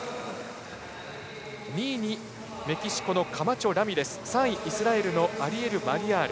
２位にメキシコのカマチョラミレス３位、イスラエルのアリエル・マリヤール。